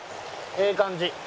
ええ感じ。